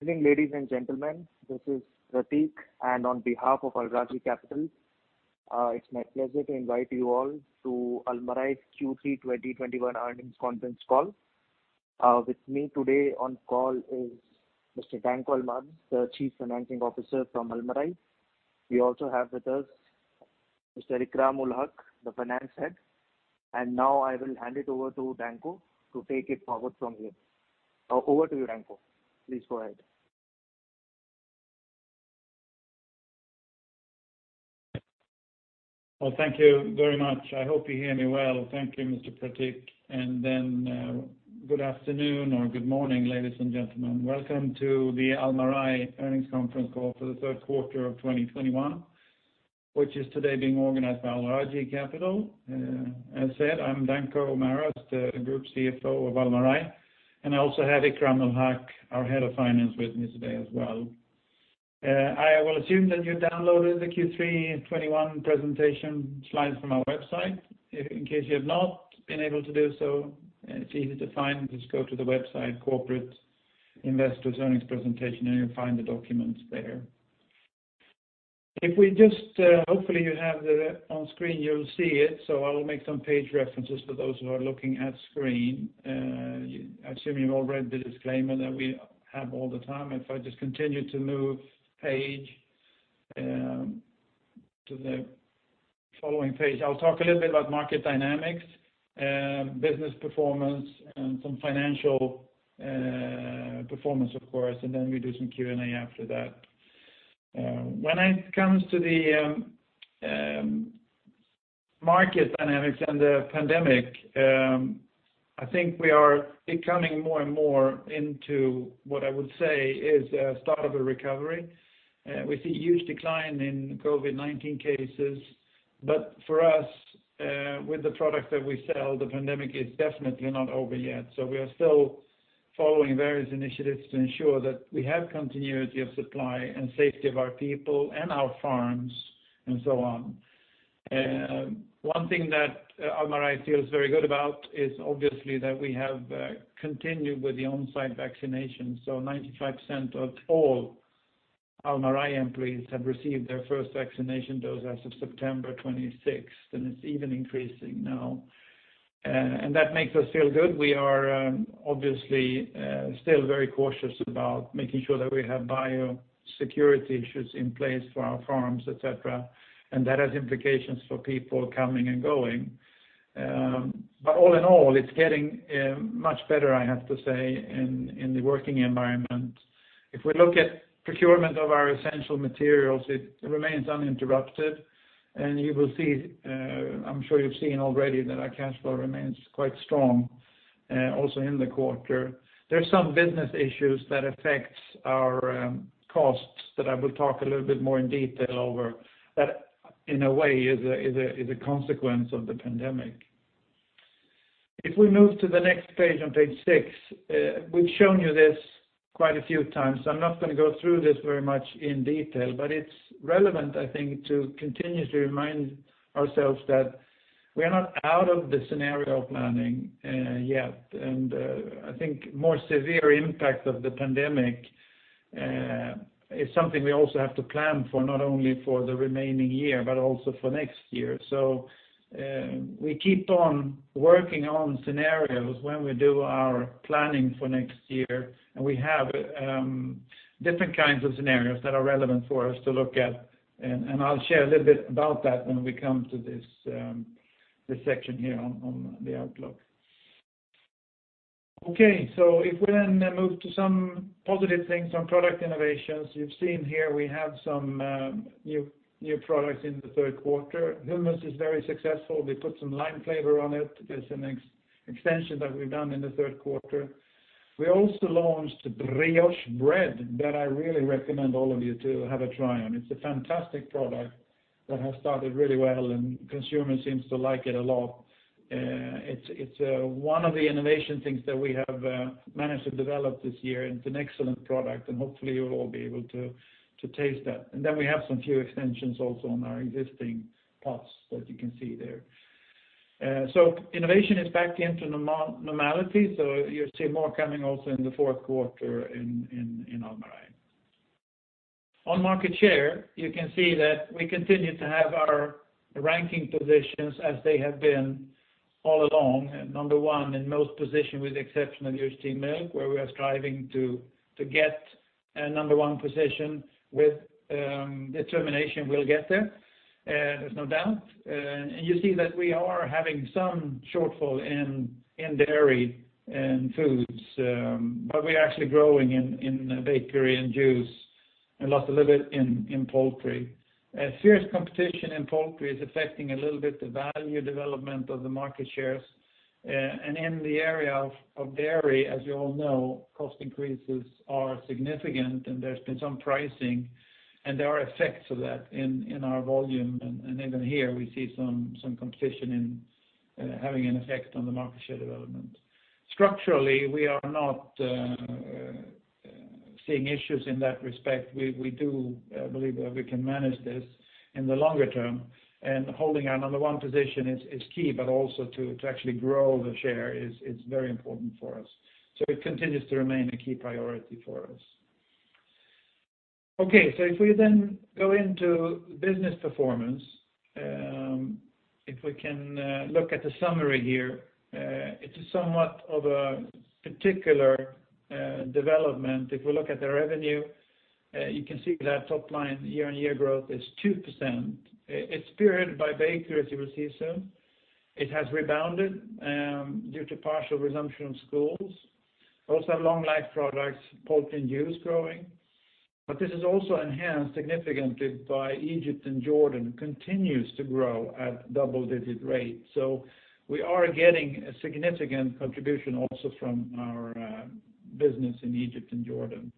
Good evening, ladies and gentlemen. This is Pratik, and on behalf of Al Rajhi Capital, it is my pleasure to invite you all to Almarai's Q3 2021 earnings conference call. With me today on call is Mr. Danko Maras, the Chief Financial Officer from Almarai. We also have with us Mr. Ikram Ulhaque, the Head of Finance, and now I will hand it over to Danko to take it forward from here. Over to you, Danko. Please go ahead. Well, thank you very much. I hope you hear me well. Thank you, Mr. Pratik, Then good afternoon or good morning, ladies and gentlemen. Welcome to the Almarai earnings conference call for the third quarter of 2021, which is today being organized by Al Rajhi Capital. As said, I am Danko Maras, the Group CFO of Almarai, I also have Ikram Ulhaque, our Head of Finance, with me today as well. I will assume that you downloaded the Q3 2021 presentation slides from our website. In case you have not been able to do so, it is easy to find. Just go to the website, Investors Relations, Earnings Presentation, you will find the documents there. Hopefully you have it on screen, you will see it, I will make some page references for those who are looking at screen. I assume you've all read the disclaimer that we have all the time. If I just continue to move page, to the following page. I'll talk a little bit about market dynamics, business performance, and some financial performance, of course, and then we do some Q&A after that. When it comes to the market dynamics and the pandemic, I think we are becoming more and more into what I would say is the start of a recovery. We see huge decline in COVID-19 cases, for us, with the product that we sell, the pandemic is definitely not over yet. We are still following various initiatives to ensure that we have continuity of supply and safety of our people and our farms, and so on. One thing that Almarai feels very good about is obviously that we have, continued with the on-site vaccination. 95% of all Almarai employees have received their first vaccination dose as of September 26th. It's even increasing now. That makes us feel good. We are obviously still very cautious about making sure that we have biosecurity issues in place for our farms, et cetera. That has implications for people coming and going. All in all, it's getting much better, I have to say, in the working environment. If we look at procurement of our essential materials, it remains uninterrupted. You will see, I'm sure you've seen already, that our cash flow remains quite strong, also in the quarter. There's some business issues that affects our costs that I will talk a little bit more in detail over that, in a way, is a consequence of the pandemic. We move to the next page, on page six, we've shown you this quite a few times. I'm not going to go through this very much in detail, it's relevant, I think, to continue to remind ourselves that we are not out of the scenario planning yet. I think more severe impact of the pandemic is something we also have to plan for, not only for the remaining year, but also for next year. We keep on working on scenarios when we do our planning for next year, we have different kinds of scenarios that are relevant for us to look at, I'll share a little bit about that when we come to this section here on the outlook. If we move to some positive things on product innovations. You've seen here we have some new products in the third quarter. Hummus is very successful. We put some lime flavor on it. There's an extension that we've done in the third quarter. We also launched Brioche bread that I really recommend all of you to have a try on. It's a fantastic product that has started really well, and consumers seems to like it a lot. It's one of the innovation things that we have managed to develop this year, and it's an excellent product, and hopefully you'll all be able to taste that. We have some few extensions also on our existing products that you can see there. Innovation is back into normality, you'll see more coming also in the fourth quarter in Almarai. On market share, you can see that we continue to have our ranking positions as they have been all along. Number one in most position with the exception of UHT milk, where we are striving to get a number one position with determination, we'll get there's no doubt. You see that we are having some shortfall in dairy and foods, but we are actually growing in bakery and juice and lost a little bit in poultry. Fierce competition in poultry is affecting a little bit the value development of the market shares. In the area of dairy, as you all know, cost increases are significant and there's been some pricing, and there are effects of that in our volume. Even here we see some competition in having an effect on the market share development. Structurally, we are not seeing issues in that respect. We do believe that we can manage this in the longer term and holding our number one position is key, but also to actually grow the share is very important for us. It continues to remain a key priority for us. Okay. If we then go into business performance, if we can look at the summary here, it's somewhat of a particular development. If we look at the revenue, you can see that top line year-on-year growth is 2%. It's spirited by bakery, as you will see soon. It has rebounded due to partial resumption of schools. Also long life products, poultry and juice growing. This is also enhanced significantly by Egypt and Jordan, continues to grow at double-digit rate. We are getting a significant contribution also from our business in Egypt and Jordan.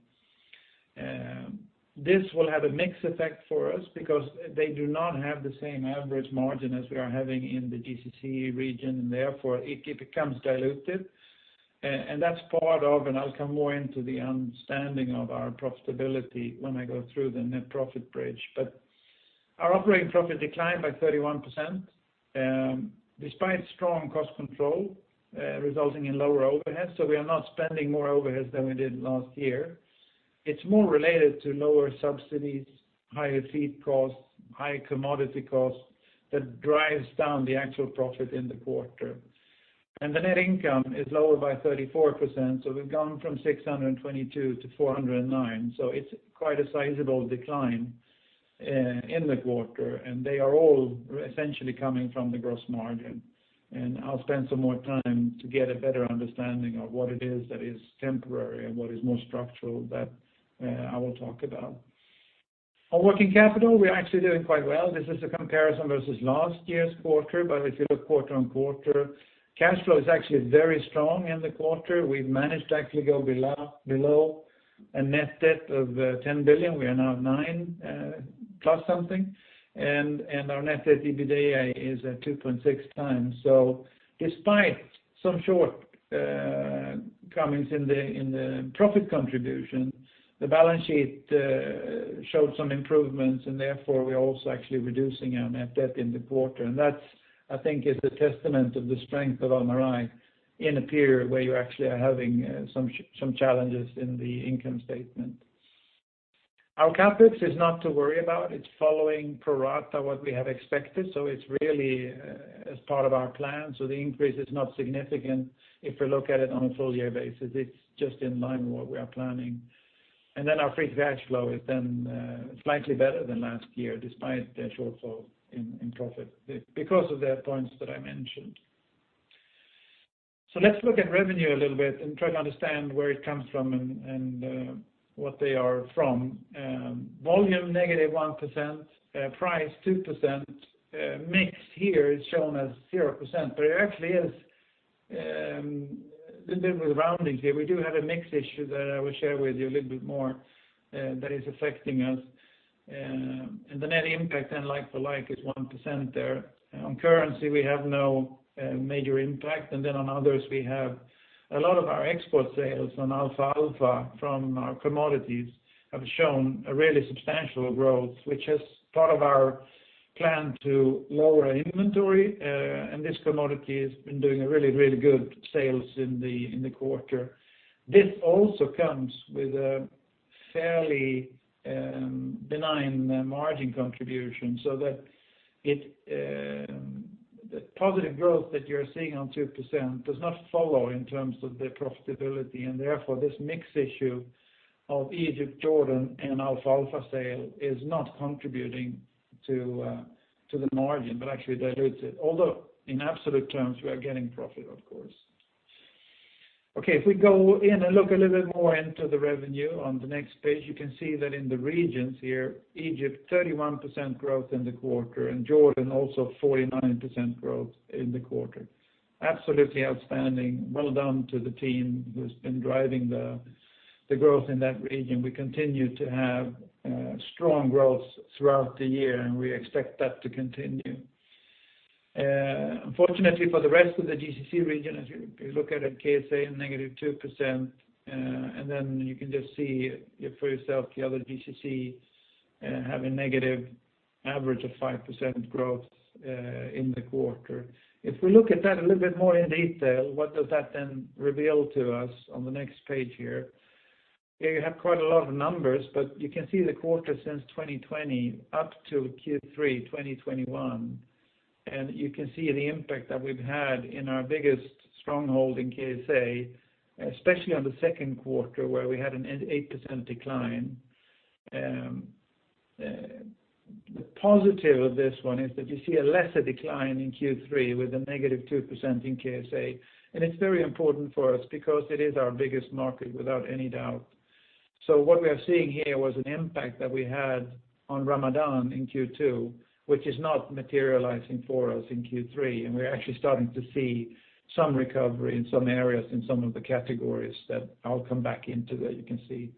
This will have a mixed effect for us because they do not have the same average margin as we are having in the GCC region, therefore it becomes diluted. That's part of, and I'll come more into the understanding of our profitability when I go through the net profit bridge. Our operating profit declined by 31%, despite strong cost control, resulting in lower overhead. We are not spending more overheads than we did last year. It's more related to lower subsidies, higher feed costs, higher commodity costs, that drives down the actual profit in the quarter. The net income is lower by 34%. We've gone from 622 to 409. It's quite a sizable decline in the quarter. They are all essentially coming from the gross margin. I'll spend some more time to get a better understanding of what it is that is temporary and what is more structural that I will talk about. Our working capital, we are actually doing quite well. This is a comparison versus last year's quarter, but if you look quarter-on-quarter, cash flow is actually very strong in the quarter. We've managed to actually go below a net debt of 10 billion. We are now 9+ billion something, and our net debt to EBITDA is at 2.6x. Despite some shortcomings in the profit contribution, the balance sheet showed some improvements and therefore we are also actually reducing our net debt in the quarter. That I think is a testament of the strength of Almarai in a period where you actually are having some challenges in the income statement. Our CapEx is not to worry about. It's following pro rata what we have expected. It's really as part of our plan. The increase is not significant if we look at it on a full year basis. It's just in line with what we are planning. Our free cash flow is slightly better than last year, despite the shortfall in profit because of the points that I mentioned. Let's look at revenue a little bit and try to understand where it comes from and what they are from. Volume -1%, price 2%, mix here is shown as 0%, but it actually is a little bit with roundings here. We do have a mix issue that I will share with you a little bit more that is affecting us. The net impact then like for like is 1% there. On currency, we have no major impact, and then on others we have a lot of our export sales on alfalfa from our commodities have shown a really substantial growth, which is part of our plan to lower inventory. This commodity has been doing a really good sales in the quarter. This also comes with a fairly benign margin contribution so that the positive growth that you're seeing on 2% does not follow in terms of the profitability, and therefore this mix issue of Egypt, Jordan, and alfalfa sale is not contributing to the margin but actually dilutes it. Although in absolute terms, we are getting profit, of course. Okay. If we go in and look a little bit more into the revenue on the next page, you can see that in the regions here, Egypt 31% growth in the quarter and Jordan also 49% growth in the quarter. Absolutely outstanding. Well done to the team who's been driving the growth in that region. We continue to have strong growth throughout the year, and we expect that to continue. Unfortunately for the rest of the GCC region, as you look at it, KSA -2%, and then you can just see it for yourself, the other GCC have a negative average of 5% growth in the quarter. If we look at that a little bit more in detail, what does that then reveal to us on the next page here? Here you have quite a lot of numbers, you can see the quarter since 2020 up to Q3 2021, and you can see the impact that we've had in our biggest stronghold in KSA, especially on the second quarter, where we had an 8% decline. The positive of this one is that you see a lesser decline in Q3 with a negative 2% in KSA. It's very important for us because it is our biggest market without any doubt. What we are seeing here was an impact that we had on Ramadan in Q2, which is not materializing for us in Q3, we're actually starting to see some recovery in some areas in some of the categories that I'll come back into that you can see.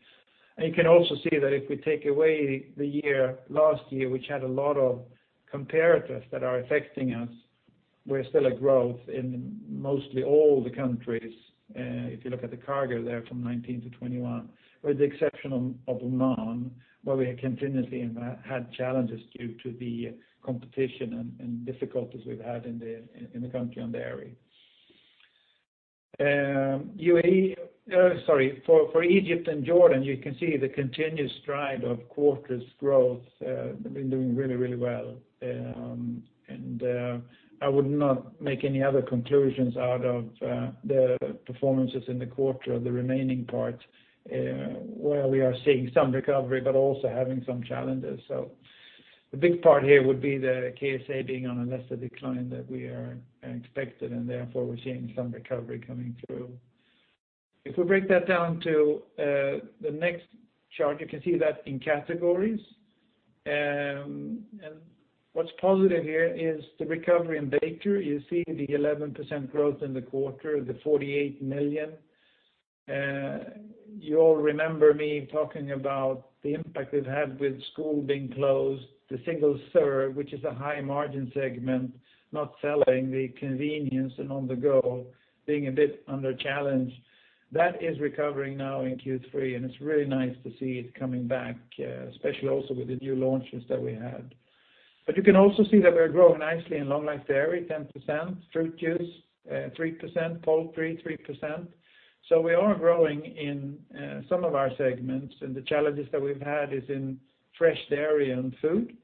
You can also see that if we take away the year last year, which had a lot of comparatives that are affecting us, we're still at growth in mostly all the countries. If you look at the CAGR there from 2019 to 2021, with the exception of Oman, where we continuously had challenges due to the competition and difficulties we've had in the country on the area. For Egypt and Jordan, you can see the continuous stride of quarters growth. They've been doing really well. I would not make any other conclusions out of the performances in the quarter, the remaining part, where we are seeing some recovery, but also having some challenges. The big part here would be the KSA being on a lesser decline than we expected, and therefore we're seeing some recovery coming through. If we break that down to the next chart, you can see that in categories. What's positive here is the recovery in bakery. You see the 11% growth in the quarter, the 48 million. You all remember me talking about the impact it had with school being closed, the single serve, which is a high margin segment, not selling the convenience and on the go, being a bit under challenge. That is recovering now in Q3, and it's really nice to see it coming back, especially also with the new launches that we had. You can also see that we're growing nicely in long-life dairy, 10%, fruit juice 3%, poultry 3%. We are growing in some of our segments, and the challenges that we've had is in fresh dairy and food.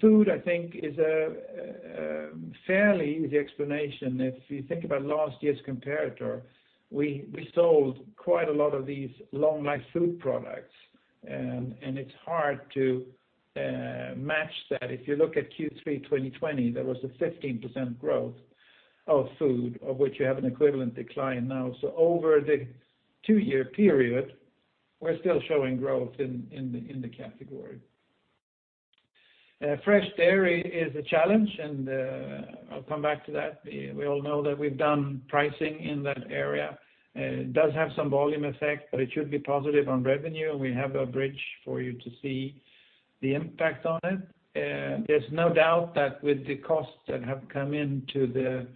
Food, I think is a fairly easy explanation. If you think about last year's comparator, we sold quite a lot of these long-life food products, and it's hard to match that. If you look at Q3 2020, there was a 15% growth of food, of which you have an equivalent decline now. Over the two-year period, we're still showing growth in the category. Fresh dairy is a challenge, and I'll come back to that. We all know that we've done pricing in that area. It does have some volume effect, but it should be positive on revenue, and we have a bridge for you to see the impact on it. There's no doubt that with the costs that have come into the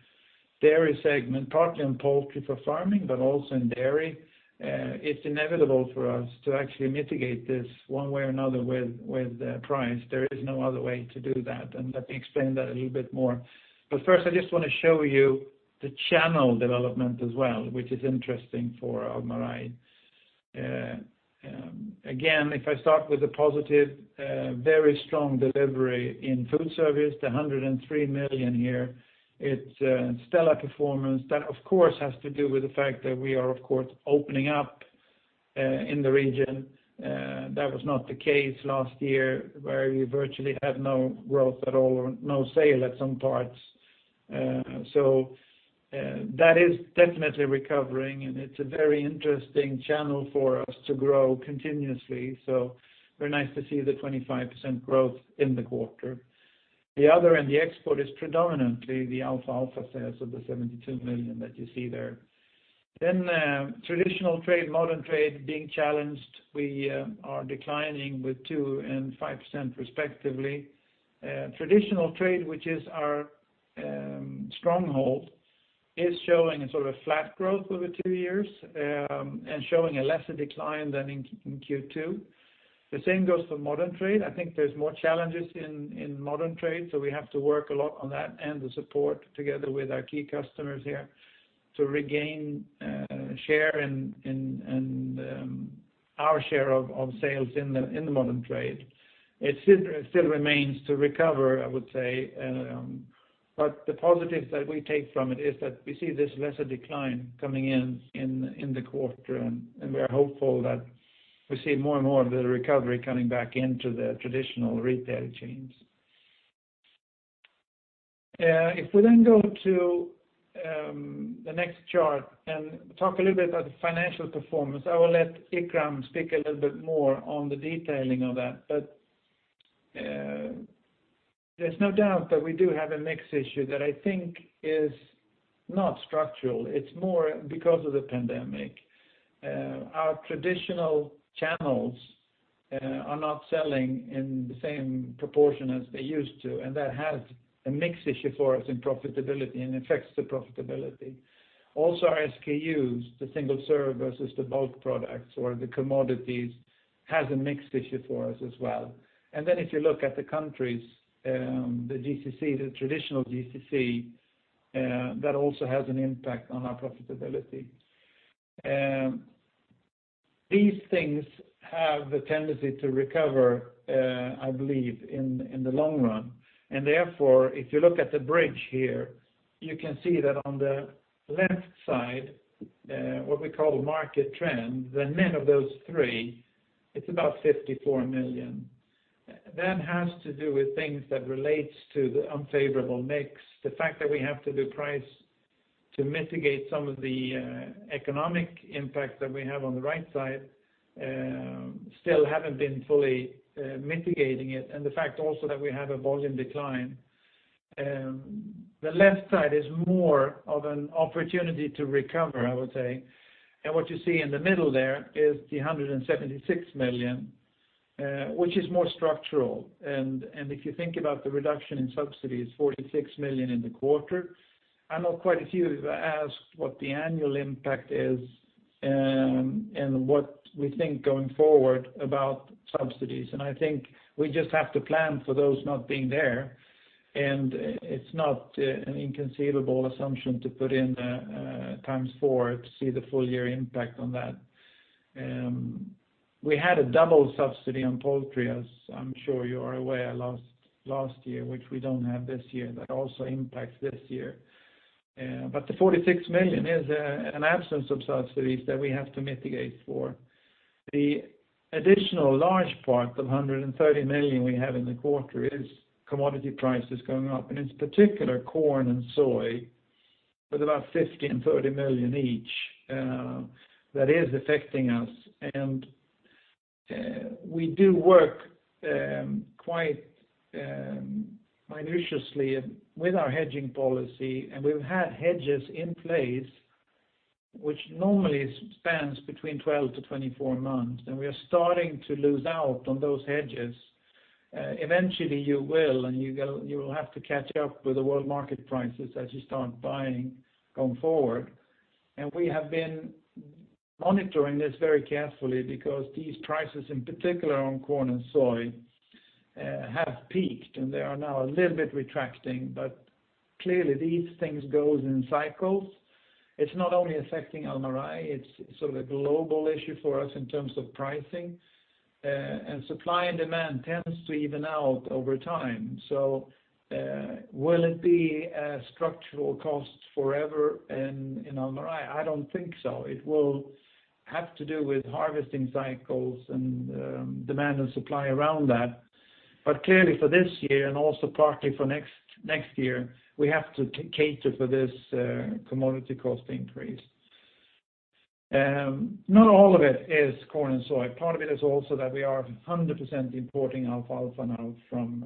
dairy segment, partly on poultry for farming, but also in dairy, it's inevitable for us to actually mitigate this one way or another with price. There is no other way to do that. Let me explain that a little bit more. First, I just want to show you the channel development as well, which is interesting for Almarai. Again, if I start with a positive, very strong delivery in food service, the 103 million here, it's a stellar performance. That, of course, has to do with the fact that we are, of course, opening up in the region. That was not the case last year, where we virtually had no growth at all or no sale at some parts. That is definitely recovering, and it's a very interesting channel for us to grow continuously. Very nice to see the 25% growth in the quarter. The other, and the export is predominantly the alfalfa sales of the 72 million that you see there. Traditional trade, modern trade being challenged, we are declining with 2% and 5% respectively. Traditional trade, which is our stronghold, is showing a sort of flat growth over two years, showing a lesser decline than in Q2. The same goes for modern trade. I think there are more challenges in modern trade, we have to work a lot on that and the support together with our key customers here to regain our share of sales in the modern trade. It still remains to recover, I would say. The positives that we take from it is that we see this lesser decline coming in the quarter. We are hopeful that we see more and more of the recovery coming back into the traditional retail chains. If we go to the next chart and talk a little bit about the financial performance, I will let Ikram speak a little bit more on the detailing of that. There's no doubt that we do have a mix issue that I think is not structural. It's more because of the pandemic. Our traditional channels are not selling in the same proportion as they used to, and that has a mix issue for us in profitability and affects the profitability. Also, our SKUs, the single serve versus the bulk products or the commodities, has a mix issue for us as well. If you look at the countries, the traditional GCC, that also has an impact on our profitability. These things have the tendency to recover, I believe, in the long run. Therefore, if you look at the bridge here, you can see that on the left side, what we call market trend, the net of those three, it's about 54 million. That has to do with things that relate to the unfavorable mix. The fact that we have to do price to mitigate some of the economic impact that we have on the right side, still haven't been fully mitigating it, and the fact also that we have a volume decline. The left side is more of an opportunity to recover, I would say. What you see in the middle there is the 176 million, which is more structural. If you think about the reduction in subsidies, 46 million in the quarter. I know quite a few have asked what the annual impact is. What we think going forward about subsidies. I think we just have to plan for those not being there, and it's not an inconceivable assumption to put in x4 to see the full year impact on that. We had a double subsidy on poultry, as I'm sure you are aware, last year, which we don't have this year. That also impacts this year. The 46 million is an absence of subsidies that we have to mitigate for. The additional large part, the 130 million we have in the quarter, is commodity prices going up, and in particular, corn and soy with about 50 million and 30 million each. That is affecting us. We do work quite meticulously with our hedging policy, and we've had hedges in place which normally spans between 12-24 months, and we are starting to lose out on those hedges. Eventually, you will, and you will have to catch up with the world market prices as you start buying going forward. We have been monitoring this very carefully because these prices, in particular on corn and soy, have peaked and they are now a little bit retracting. Clearly these things goes in cycles. It's not only affecting Almarai, it's sort of a global issue for us in terms of pricing. Supply and demand tends to even out over time. Will it be structural costs forever in Almarai? I don't think so. It will have to do with harvesting cycles and demand and supply around that. Clearly for this year and also partly for next year, we have to cater for this commodity cost increase. Not all of it is corn and soy. Part of it is also that we are 100% importing alfalfa now from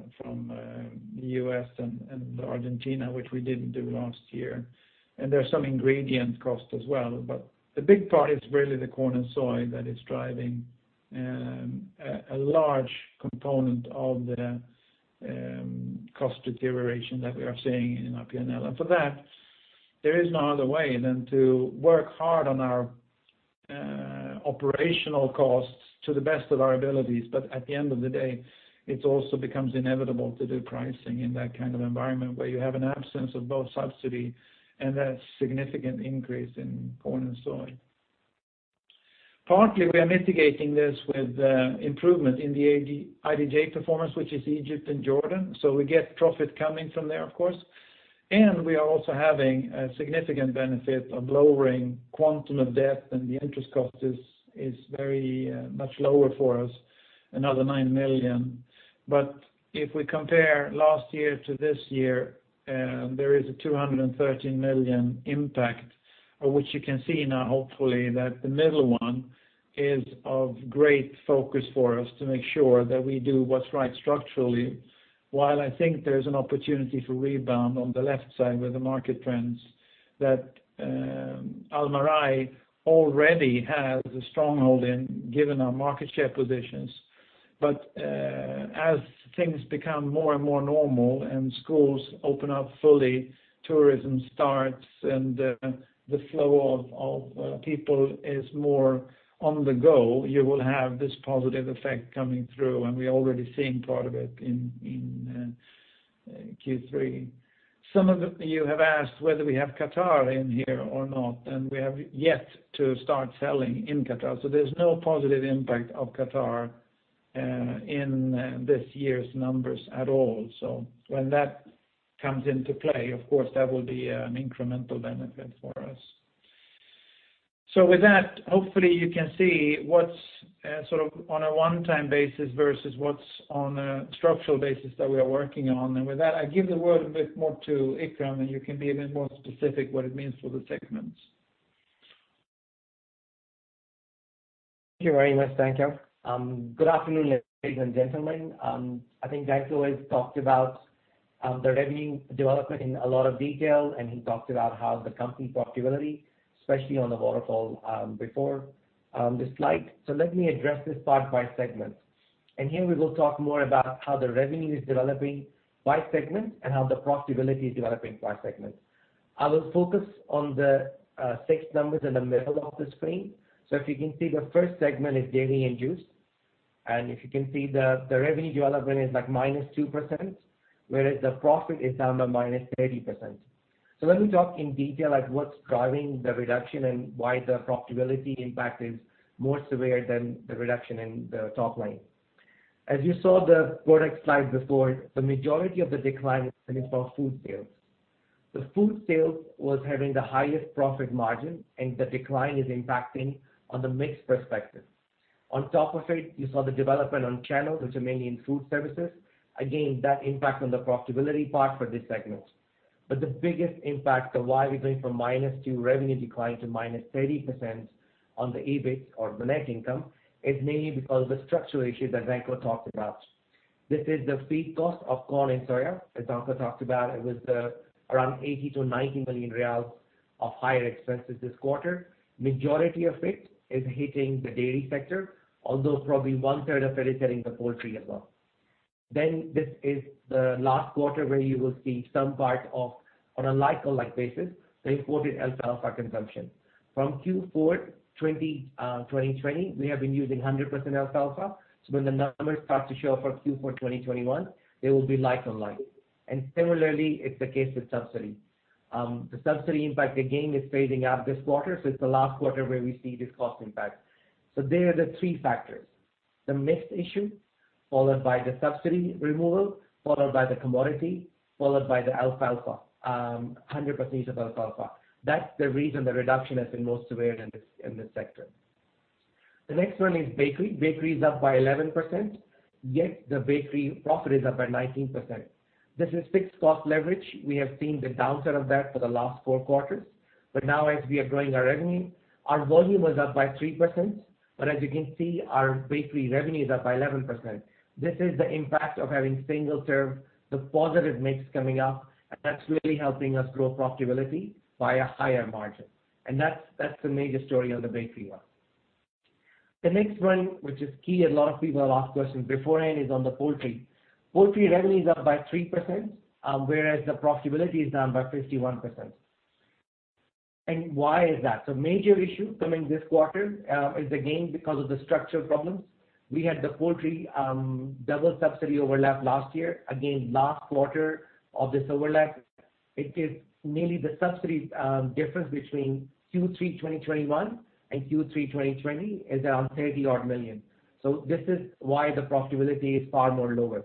U.S. and Argentina, which we didn't do last year, and there's some ingredient cost as well. The big part is really the corn and soy that is driving a large component of the cost deterioration that we are seeing in our P&L. For that, there is no other way than to work hard on our operational costs to the best of our abilities. At the end of the day, it also becomes inevitable to do pricing in that kind of environment where you have an absence of both subsidy and that significant increase in corn and soy. Partly, we are mitigating this with improvement in the IDJ performance, which is Egypt and Jordan. We get profit coming from there, of course, and we are also having a significant benefit of lowering quantum of debt, and the interest cost is very much lower for us, another 9 million. If we compare last year to this year, there is a 213 million impact of which you can see now hopefully, that the middle one is of great focus for us to make sure that we do what's right structurally. While I think there's an opportunity to rebound on the left side with the market trends that Almarai already has a stronghold in, given our market share positions. As things become more and more normal and schools open up fully, tourism starts and the flow of people is more on the go, you will have this positive effect coming through, and we are already seeing part of it in Q3. Some of you have asked whether we have Qatar in here or not. We have yet to start selling in Qatar. There's no positive impact of Qatar in this year's numbers at all. When that comes into play, of course, that will be an incremental benefit for us. With that, hopefully you can see what's sort of on a one-time basis versus what's on a structural basis that we are working on. With that, I give the word a bit more to Ikram and you can be a bit more specific what it means for the segments. Thank you very much. Thank you. Good afternoon, ladies and gentlemen. I think Danko has talked about the revenue development in a lot of detail. He talked about how the company profitability, especially on the waterfall, before this slide. Let me address this part by segment. Here we will talk more about how the revenue is developing by segment and how the profitability is developing by segment. I will focus on the six numbers in the middle of the screen. If you can see, the first segment is dairy and juice. If you can see the revenue development is like -2%, whereas the profit is down by -30%. Let me talk in detail at what's driving the reduction and why the profitability impact is more severe than the reduction in the top line. As you saw the product slide before, the majority of the decline is coming from food sales. The food sales was having the highest profit margin and the decline is impacting on the mix perspective. On top of it, you saw the development on channels which are mainly in food services. That impact on the profitability part for this segment. The biggest impact of why we're going from -2% revenue decline to -30% on the EBIT or the net income is mainly because of the structural issue that Danko talked about. This is the feed cost of corn and soya, as Danko talked about. It was around 80 million-90 million riyals of higher expenses this quarter. Majority of it is hitting the dairy sector, although probably one third of it is hitting the poultry as well. This is the last quarter where you will see some part of, on a like-to-like basis, the imported alfalfa consumption. From Q4 2020, we have been using 100% alfalfa. When the numbers start to show up for Q4 2021, they will be like-on-like. Similarly, it's the case with subsidy. The subsidy impact, again, is phasing out this quarter. It's the last quarter where we see this cost impact. They are the three factors, the mix issue, followed by the subsidy removal, followed by the commodity, followed by the alfalfa, 100% alfalfa. That's the reason the reduction has been most severe in this sector. The next one is bakery. Bakery is up by 11%, yet the bakery profit is up by 19%. This is fixed cost leverage. We have seen the downside of that for the last four quarters. Now as we are growing our revenue, our volume was up by 3%, but as you can see, our bakery revenue is up by 11%. This is the impact of having single serve, the positive mix coming up, and that's really helping us grow profitability by a higher margin. That's the major story on the bakery one. The next one, which is key, a lot of people have asked questions beforehand, is on the poultry. Poultry revenue is up by 3%, whereas the profitability is down by 51%. Why is that? Major issue coming this quarter is again because of the structural problems. We had the poultry double subsidy overlap last year. Last quarter of this overlap, it is mainly the subsidy difference between Q3 2021 and Q3 2020 is around 30 odd million. This is why the profitability is far more lower.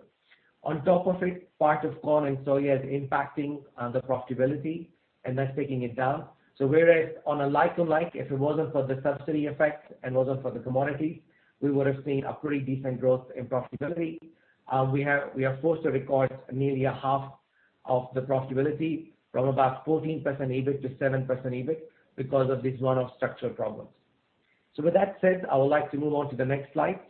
On top of it, part of corn and soya is impacting the profitability and that's taking it down. Whereas on a like-to-like, if it wasn't for the subsidy effect and wasn't for the commodity, we would have seen a pretty decent growth in profitability. We are forced to record nearly a half of the profitability from about 14% EBIT to 7% EBIT because of this one-off structural problems. With that said, I would like to move on to the next slide,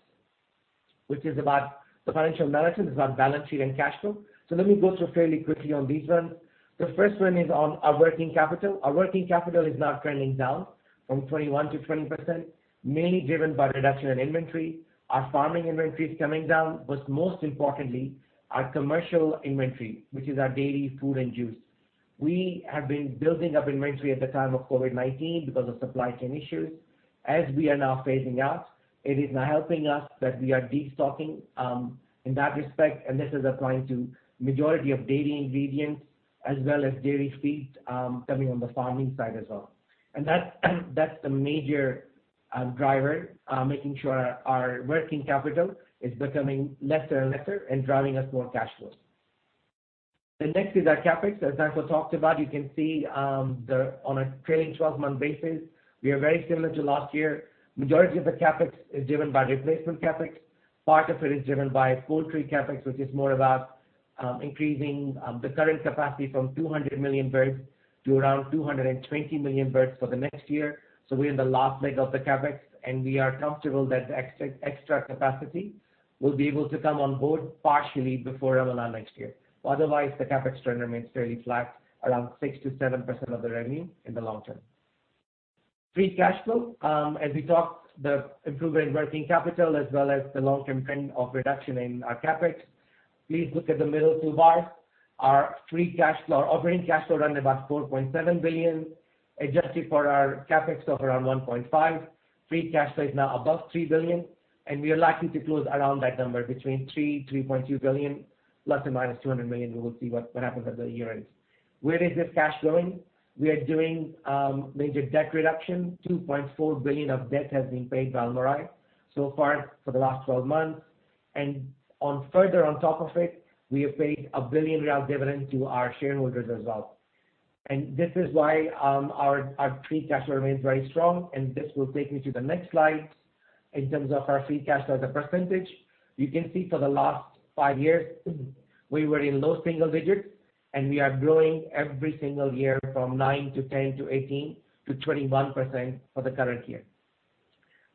which is about the financial measures. It's about balance sheet and cash flow. Let me go through fairly quickly on these ones. The first one is on our working capital. Our working capital is now trending down from 21%-20%, mainly driven by reduction in inventory. Our farming inventory is coming down. Most importantly, our commercial inventory, which is our dairy, food, and juice. We have been building up inventory at the time of COVID-19 because of supply chain issues. As we are now phasing out, it is now helping us that we are de-stocking, in that respect, and this is applying to majority of dairy ingredients as well as dairy feed coming on the farming side as well. That's the major driver, making sure our working capital is becoming lesser and lesser and driving us more cash flow. The next is our CapEx. As Danko talked about, you can see on a trailing 12-month basis, we are very similar to last year. Majority of the CapEx is driven by replacement CapEx. Part of it is driven by poultry CapEx, which is more about increasing the current capacity from 200 million birds to around 220 million birds for the next year. We are in the last leg of the CapEx, and we are comfortable that the extra capacity will be able to come on board partially before Ramadan next year. Otherwise, the CapEx trend remains fairly flat, around 6%-7% of the revenue in the long term. Free cash flow. As we talked, the improvement in working capital as well as the long-term trend of reduction in our CapEx. Please look at the middle two bars. Our free cash flow, our operating cash flow around about 4.7 billion, adjusted for our CapEx of around 1.5 billion. Free cash flow is now above 3 billion. We are likely to close around that number, between 3 billion-3.2 billion, ±200 million. We will see what happens at the year-end. Where is this cash going? We are doing major debt reduction, 2.4 billion of debt has been paid by Almarai so far for the last 12 months. Further on top of it, we have paid 1 billion real dividend to our shareholders as well. This is why our free cash flow remains very strong, and this will take me to the next slide in terms of our free cash flow as a percentage. You can see for the last five years, we were in low single digits, and we are growing every single year from 9% to 10% to 18% to 21% for the current year.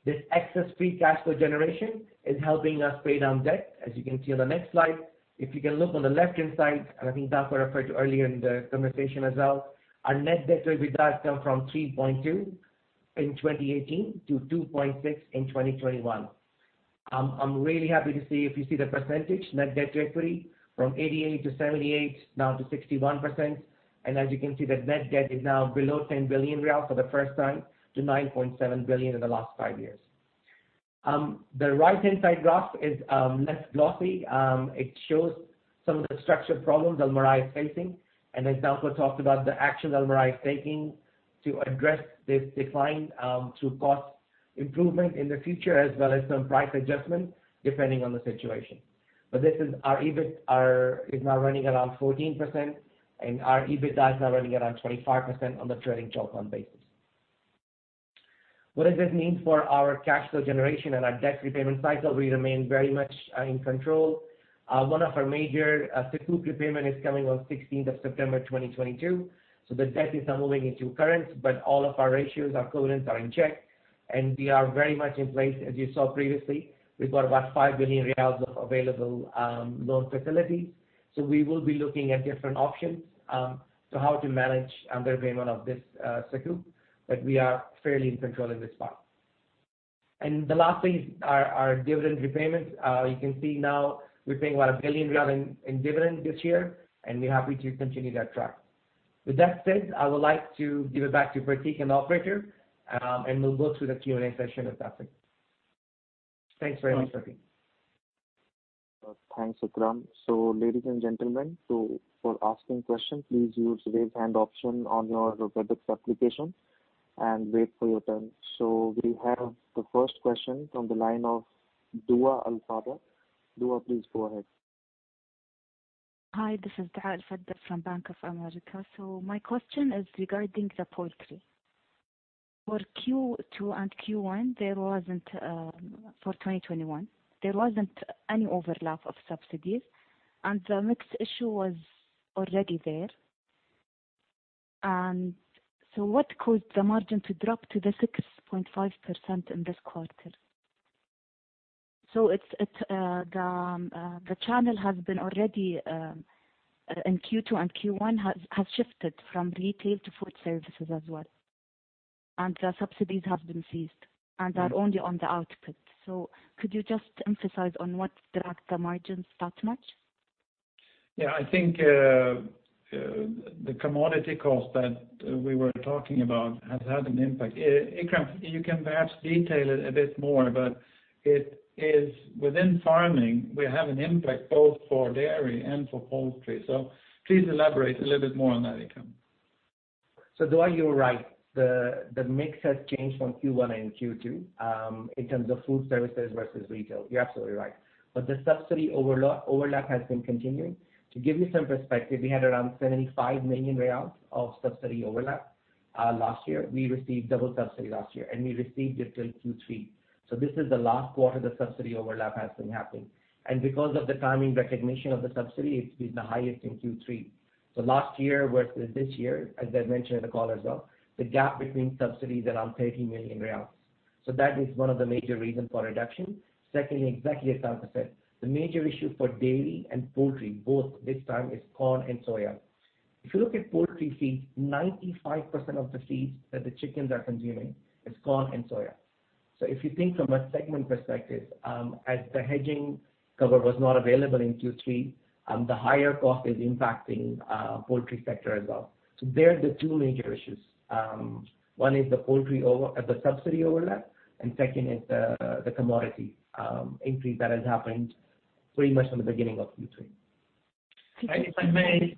This excess free cash flow generation is helping us pay down debt, as you can see on the next slide. If you can look on the left-hand side, and I think Danko referred to earlier in the conversation as well, our net debt to EBITDA has come from 3.2 billion in 2018 to 2.6 billion in 2021. I'm really happy to see if you see the percentage net debt to equity from 88% to 78% now to 61%. As you can see, the net debt is now below SAR 10 billion for the first time to 9.7 billion in the last five years. The right-hand side graph is less glossy. It shows some of the structural problems Almarai is facing, and as Danko talked about the action Almarai is taking to address this decline through cost improvement in the future as well as some price adjustment depending on the situation. This is our EBIT is now running around 14% and our EBITDA is now running around 25% on the trailing 12-month basis. What does this mean for our cash flow generation and our debt repayment cycle? We remain very much in control. One of our major Sukuk repayment is coming on 16th of September 2022. The debt is now moving into current, but all of our ratios, our covenants are in check, and we are very much in place. As you saw previously, we've got about SAR 5 billion of available loan facilities. We will be looking at different options to how to manage the repayment of this Sukuk, but we are fairly in control in this part. The last thing are dividend repayments. You can see now we're paying about 1 billion in dividends this year, and we're happy to continue that track. With that said, I would like to give it back to Pratik and the operator, and we'll go through the Q&A session with that said. Thanks very much, Pratik. Thanks, Ikram. Ladies and gentlemen, for asking questions, please use the raise hand option on your WebEx application and wait for your turn. We have the first question from the line of Duaa AlFadda. Duaa, please go ahead. Hi, this is Duaa AlFadda from Bank of America. My question is regarding the poultry. For Q2 and Q1, for 2021, there wasn't any overlap of subsidies, the mix issue was already there. What caused the margin to drop to the 6.5% in this quarter? The channel has been already, in Q2 and Q1, has shifted from retail to food services as well. The subsidies have been ceased and are only on the output. Could you just emphasize on what dragged the margins that much? Yeah, I think the commodity cost that we were talking about has had an impact. Ikram, you can perhaps detail it a bit more, but within farming, we have an impact both for dairy and for poultry. Please elaborate a little bit more on that, Ikram. Duaa, you're right. The mix has changed from Q1 and Q2, in terms of food services versus retail. You're absolutely right. The subsidy overlap has been continuing. To give you some perspective, we had around 75 million of subsidy overlap last year. We received double subsidy last year, and we received it till Q3. This is the last quarter the subsidy overlap has been happening. Because of the timing recognition of the subsidy, it's been the highest in Q3. Last year versus this year, as I mentioned to the callers as well, the gap between subsidies around SAR 30 million. Exactly as Danko said, the major issue for dairy and poultry, both this time, is corn and soya. If you look at poultry feed, 95% of the feeds that the chickens are consuming is corn and soya. If you think from a segment perspective, as the hedging cover was not available in Q3, the higher cost is impacting poultry sector as well. They're the two major issues. One is the subsidy overlap, and second is the commodity increase that has happened pretty much from the beginning of Q3. Could you- If I may.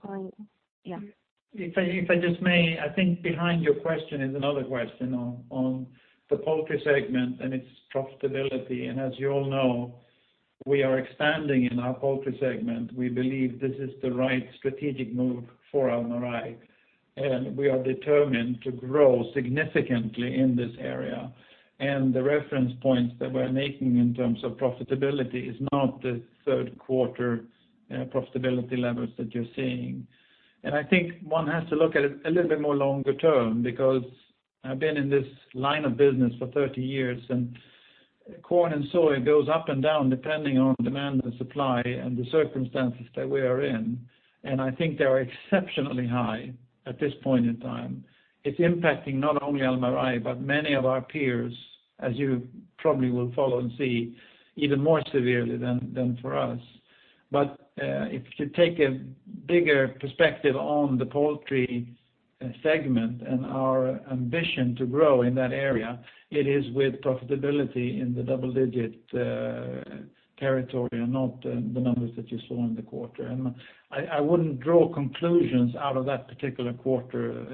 Yeah. If I just may, I think behind your question is another question on the poultry segment and its profitability. As you all know, we are expanding in our poultry segment. We believe this is the right strategic move for Almarai, and we are determined to grow significantly in this area. The reference points that we're making in terms of profitability is not the third quarter profitability levels that you're seeing. I think one has to look at it a little bit more longer term, because I've been in this line of business for 30 years, and corn and soya goes up and down depending on demand and supply and the circumstances that we are in. I think they are exceptionally high at this point in time. It's impacting not only Almarai, but many of our peers, as you probably will follow and see even more severely than for us. If you take a bigger perspective on the poultry segment and our ambition to grow in that area, it is with profitability in the double-digit territory and not the numbers that you saw in the quarter. I wouldn't draw conclusions out of that particular quarter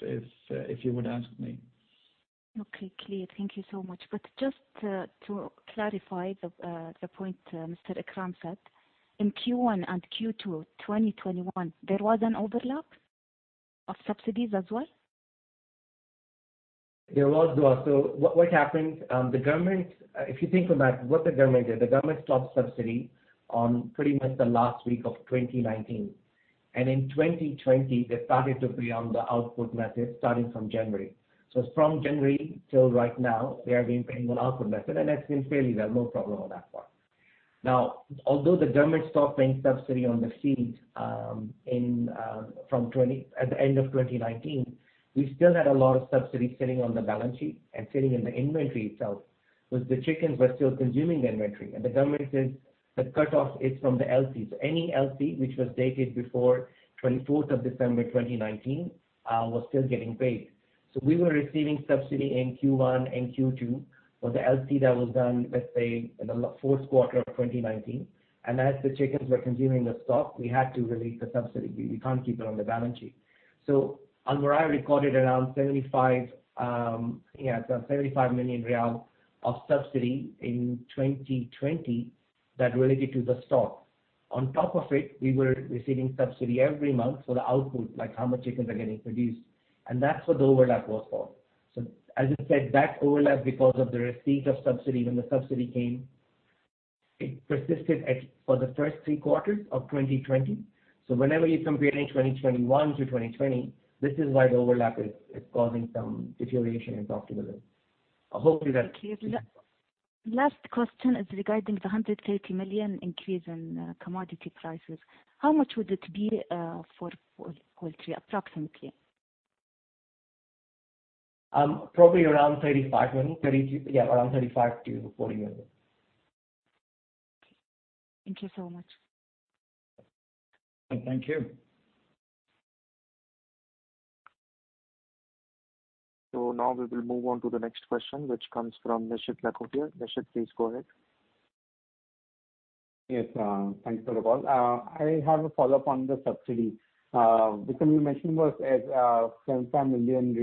if you would ask me. Okay, clear. Thank you so much. Just to clarify the point Mr. Ikram said, in Q1 and Q2 2021, there was an overlap of subsidies as well? There was, Duaa. What happened, if you think about what the government did, the government stopped subsidy on pretty much the last week of 2019. In 2020, they started to pay on the output method starting from January. From January till right now, they have been paying on output method, and that's been fairly well. No problem on that part. Although the government stopped paying subsidy on the feed at the end of 2019, we still had a lot of subsidy sitting on the balance sheet and sitting in the inventory itself, because the chickens were still consuming the inventory. The government says the cutoff is from the LPs. Any LP which was dated before 24th of December 2019 was still getting paid. We were receiving subsidy in Q1 and Q2 for the LP that was done, let's say, in the fourth quarter of 2019. As the chickens were consuming the stock, we had to release the subsidy. We can't keep it on the balance sheet. Almarai recorded around SAR 75 million of subsidy in 2020 that related to the stock. On top of it, we were receiving subsidy every month for the output, like how much chickens are getting produced, and that's what the overlap was for. As I said, that overlap, because of the receipt of subsidy, when the subsidy came, it persisted for the first three quarters of 2020. Whenever you're comparing 2021 to 2020, this is why the overlap is causing some deterioration in profitability. Clear to that. Last question is regarding the 130 million increase in commodity prices. How much would it be for Q3 approximately? Probably around 35 million. Yeah, around 35 million-40 million. Thank you so much. Thank you. Now we will move on to the next question, which comes from Nishit Mathur. Nishit, please go ahead. Yes. Thanks, everyone. I have a follow-up on the subsidy. Ikram, you mentioned about SAR 17 million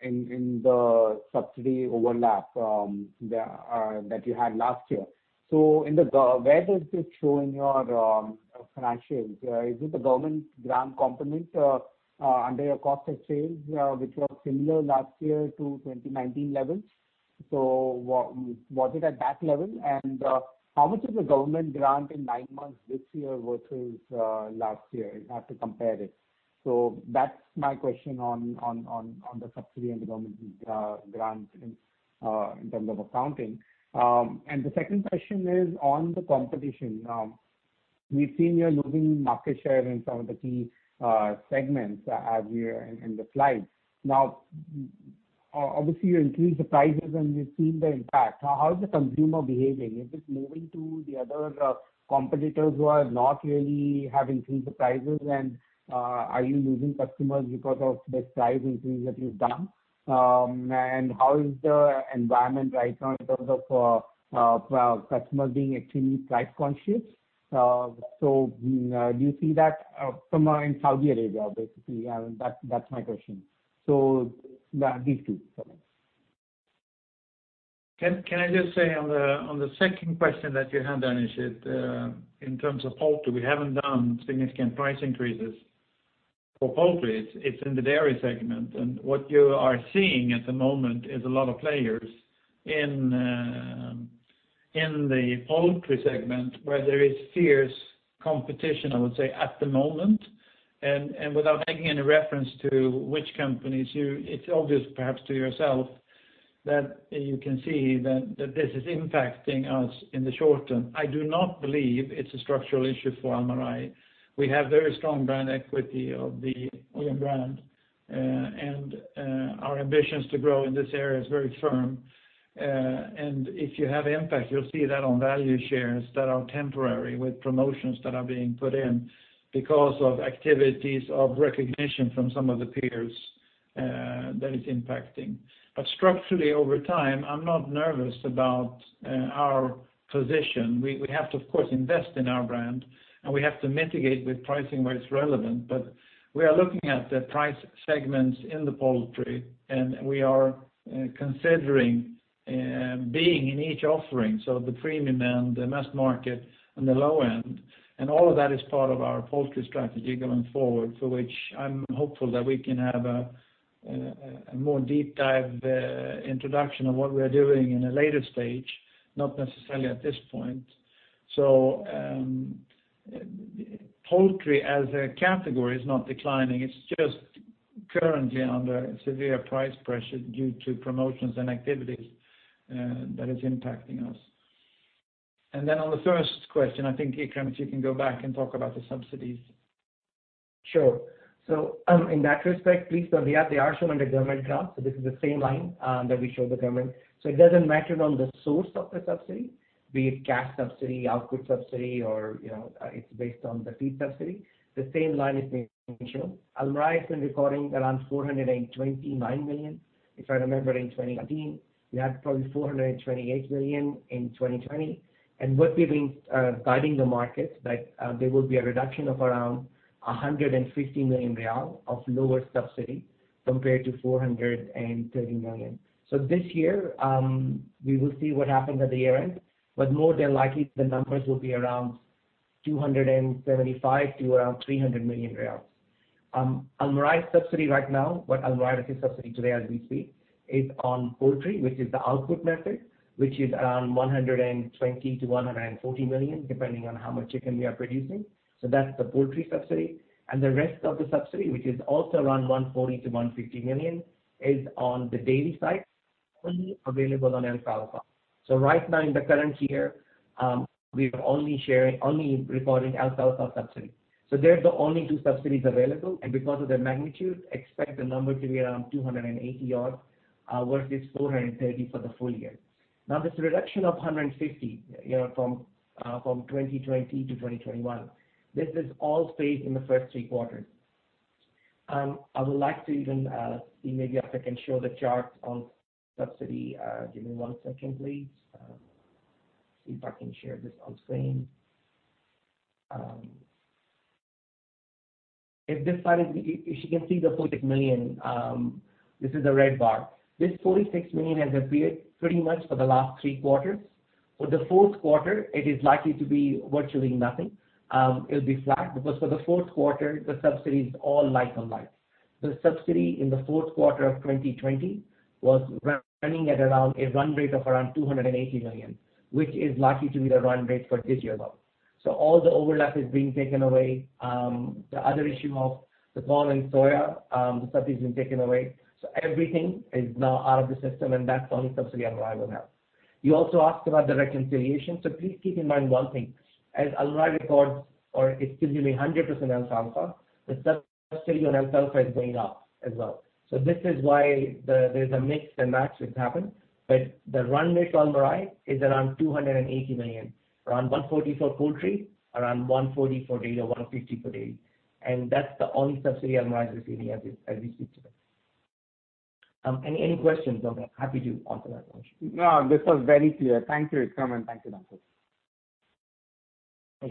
in the subsidy overlap that you had last year. Where does this show in your financials? Is it the government grant component under your cost of sales, which was similar last year to 2019 levels? Was it at that level? How much is the government grant in nine months this year versus last year? You have to compare it. That's my question on the subsidy and the government grant in terms of accounting. The second question is on the competition. We've seen you're losing market share in some of the key segments in the slide. Obviously, you increased the prices, and we've seen the impact. How is the consumer behaving? Is it moving to the other competitors who are not really having increased the prices? Are you losing customers because of this price increase that you've done? How is the environment right now in terms of customers being extremely price-conscious? Do you see that customer in Saudi Arabia, basically? That's my question. These two for me. Can I just say on the second question that you had, Nishit, in terms of poultry, we haven't done significant price increases for poultry. It's in the dairy segment. What you are seeing at the moment is a lot of players in the poultry segment where there is fierce competition, I would say, at the moment. Without making any reference to which companies, it's obvious perhaps to yourself that you can see that this is impacting us in the short term. I do not believe it's a structural issue for Almarai. We have very strong brand equity of the Alyoum brand, and our ambitions to grow in this area is very firm. If you have impact, you'll see that on value shares that are temporary with promotions that are being put in because of activities of recognition from some of the peers that is impacting. Structurally, over time, I'm not nervous about our position. We have to, of course, invest in our brand, and we have to mitigate with pricing where it's relevant. We are looking at the price segments in the poultry, and we are considering being in each offering, so the premium end, the mass market, and the low end. All of that is part of our poultry strategy going forward, for which I'm hopeful that we can have a more deep dive introduction of what we're doing in a later stage, not necessarily at this point. Poultry as a category is not declining. It's just currently under severe price pressure due to promotions and activities that is impacting us. Then on the first question, I think Ikram, if you can go back and talk about the subsidies. Sure. In that respect, Nishit, they are shown under government grant. This is the same line that we show the government. It doesn't matter on the source of the subsidy, be it cash subsidy, output subsidy, or it's based on the feed subsidy. The same line is being shown. Almarai has been recording around 429 million. If I remember, in 2019, we had probably 428 million in 2020. What we've been guiding the market that there will be a reduction of around SAR 150 million of lower subsidy compared to 430 million. This year, we will see what happens at the year-end, but more than likely, the numbers will be around SAR 275 million-SAR 300 million. Almarai subsidy right now, what Almarai subsidy today as we speak, is on poultry, which is the output method, which is around 120 million-140 million, depending on how much chicken we are producing. That's the poultry subsidy. The rest of the subsidy, which is also around 140 million-150 million, is on the dairy side, only available on alfalfa. Right now in the current year, we are only recording alfalfa subsidy. They're the only two subsidies available, and because of their magnitude, expect the number to be around 280 million odd versus 430 million for the full year. This reduction of 150 million from 2020 to 2021, this is all paid in the first three quarters. I would like to even see maybe if I can show the chart of subsidy. Give me 1 second, please. See if I can share this on screen. If you can see the 46 million, this is the red bar. This 46 million has appeared pretty much for the last three quarters. For the fourth quarter, it is likely to be virtually nothing. It'll be flat because for the fourth quarter, the subsidy is all like-on-like. The subsidy in the fourth quarter of 2020 was running at around a run rate of around 280 million, which is likely to be the run rate for this year as well. All the overlap is being taken away. The other issue of the corn and soya, the subsidy's been taken away. Everything is now out of the system, and that's only subsidy Almarai will have. You also asked about the reconciliation. Please keep in mind one thing, as Almarai records, or it's giving me 100% on Al Safa, the subsidy on Al Safa is going up as well. This is why there's a mix and match which happened. The run rate on Almarai is around 280 million. Around 140 million for poultry, around 140 million for dairy, or 150 million for dairy, and that's the only subsidy Almarai is receiving as we speak today. Any questions? I'm happy to answer that question. No, this was very clear. Thank you, Ikram, and thank you, Danko.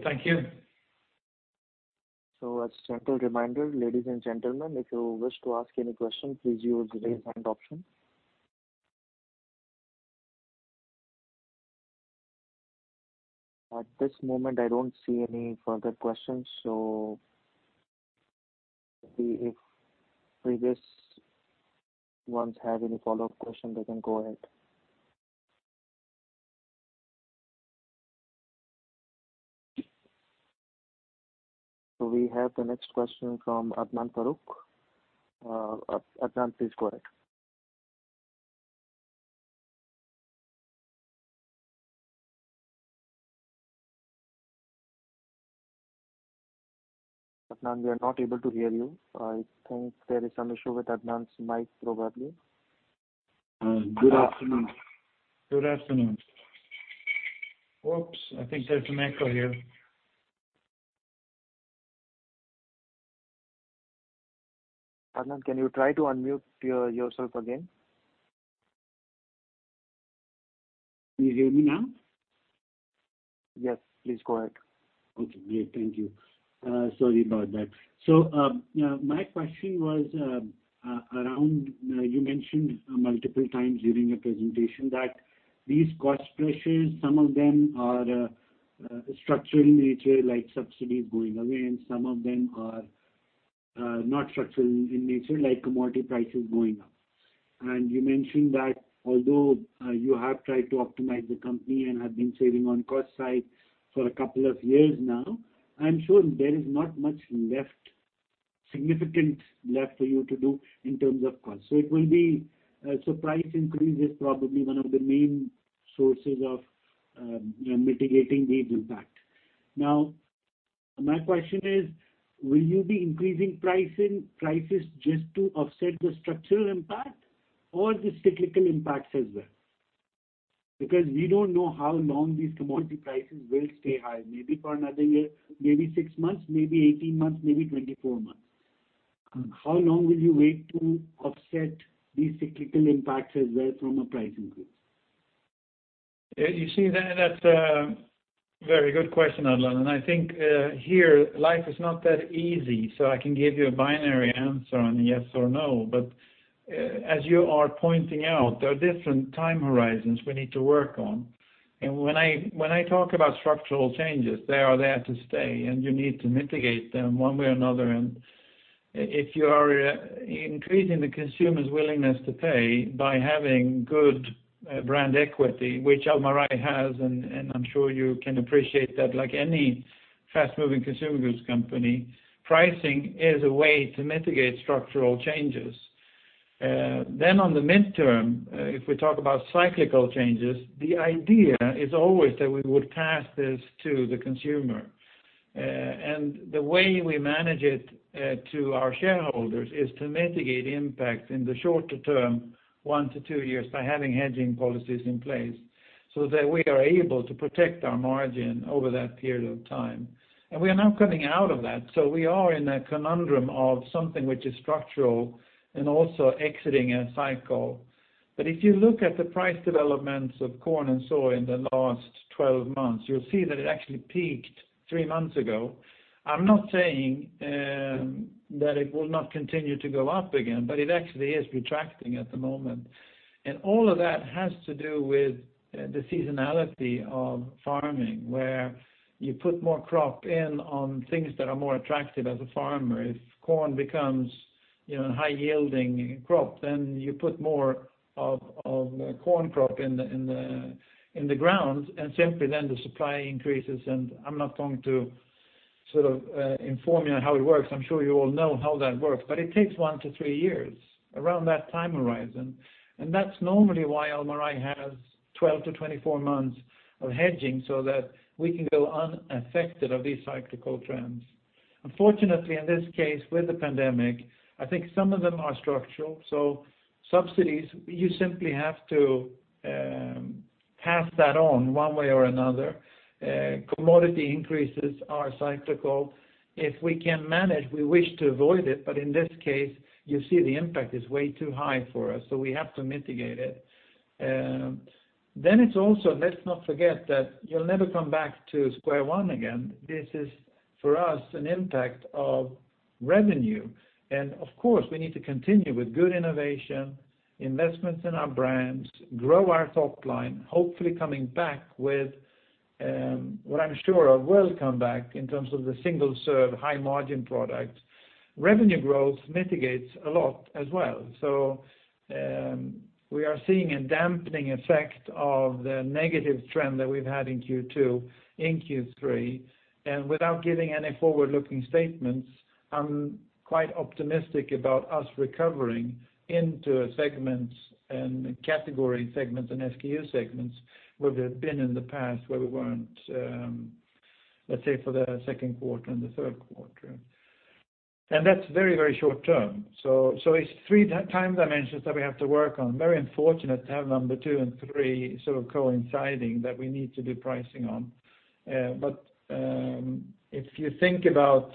Thank you. As a gentle reminder, ladies and gentlemen, if you wish to ask any questions, please use the raise hand option. At this moment, I don't see any further questions. If previous ones have any follow-up questions, they can go ahead. We have the next question from Adnan Farooq. Adnan, please go ahead. Adnan, we are not able to hear you. I think there is some issue with Adnan's mic, probably. Good afternoon. Good afternoon. Oops, I think there's an echo here. Adnan, can you try to unmute yourself again? Can you hear me now? Yes, please go ahead. Okay, great. Thank you. Sorry about that. My question was around, you mentioned multiple times during your presentation that these cost pressures, some of them are structural in nature, like subsidies going away, and some of them are not structural in nature, like commodity prices going up. You mentioned that although you have tried to optimize the company and have been saving on cost side for a couple of years now, I'm sure there is not much significant left for you to do in terms of cost. Price increase is probably one of the main sources of mitigating these impact. My question is, will you be increasing prices just to offset the structural impact or the cyclical impacts as well? Because we don't know how long these commodity prices will stay high. Maybe for another year, maybe six months, maybe 18 months, maybe 24 months. How long will you wait to offset these cyclical impacts as well from a price increase? You see, that's a very good question, Adnan. I think here life is not that easy. I can give you a binary answer on yes or no. As you are pointing out, there are different time horizons we need to work on. When I talk about structural changes, they are there to stay, and you need to mitigate them one way or another. If you are increasing the consumer's willingness to pay by having good brand equity, which Almarai has, and I'm sure you can appreciate that like any fast-moving consumer goods company, pricing is a way to mitigate structural changes. On the midterm, if we talk about cyclical changes, the idea is always that we would pass this to the consumer. The way we manage it to our shareholders is to mitigate impact in the shorter term, one to two years, by having hedging policies in place, so that we are able to protect our margin over that period of time. We are now coming out of that. We are in a conundrum of something which is structural and also exiting a cycle. If you look at the price developments of corn and soy in the last 12 months, you'll see that it actually peaked three months ago. I'm not saying that it will not continue to go up again, but it actually is retracting at the moment. All of that has to do with the seasonality of farming, where you put more crop in on things that are more attractive as a farmer. If corn becomes a high-yielding crop, you put more of corn crop in the ground and simply the supply increases. I'm not going to inform you on how it works. I'm sure you all know how that works, it takes one to three years, around that time horizon. That's normally why Almarai has 12-24 months of hedging, so that we can go unaffected of these cyclical trends. Unfortunately, in this case, with the pandemic, I think some of them are structural. Subsidies, you simply have to pass that on one way or another. Commodity increases are cyclical. If we can manage, we wish to avoid it, in this case, you see the impact is way too high for us, we have to mitigate it. It's also, let's not forget that you'll never come back to square one again. This is, for us, an impact of revenue. Of course, we need to continue with good innovation, investments in our brands, grow our top line, hopefully coming back with what I'm sure of will come back in terms of the single-serve, high-margin product. Revenue growth mitigates a lot as well. We are seeing a dampening effect of the negative trend that we've had in Q2, in Q3. Without giving any forward-looking statements, I'm quite optimistic about us recovering into a segment and category segment and SKU segments where we've been in the past where we weren't, let's say, for the second quarter and the third quarter. That's very short-term. It's three time dimensions that we have to work on. Very unfortunate to have number two and three coinciding that we need to do pricing on. If you think about